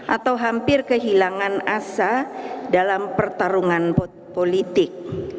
atau hampir kehilangan asa dalam pertarungan politik